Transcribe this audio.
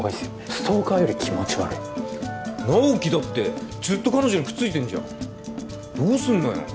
ストーカーより気持ち悪い直木だってずっと彼女にくっついてんじゃんどうすんのよ